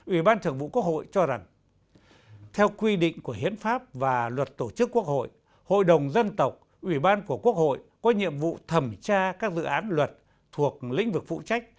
ủy ban thượng vụ quốc hội cho rằng theo quy định của hiến pháp và luật tổ chức quốc hội hội đồng dân tộc ủy ban của quốc hội có nhiệm vụ thẩm tra các dự án luật thuộc lĩnh vực phụ trách